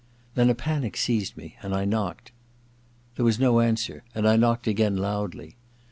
Then a panic seized me, and I knocked. There was no answer, and I knocked again, loudly.